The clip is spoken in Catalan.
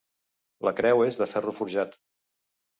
La creu és de ferro forjat.